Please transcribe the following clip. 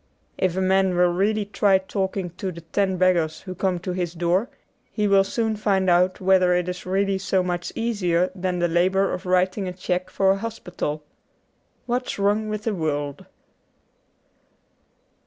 If a man will really try talking to the ten beggars who come to his door he will soon find out whether it is really so much easier than the labour of writing a cheque for a hospital. ' What's Wrong with the World.''